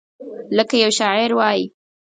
لکه یو شاعر وایي: